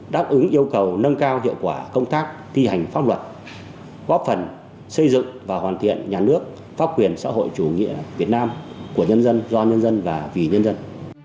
đáp ứng yêu cầu nâng cao hiệu quả công tác thi hành pháp luật góp phần xây dựng và hoàn thiện nhà nước pháp quyền xã hội chủ nghĩa việt nam của nhân dân do nhân dân và vì nhân dân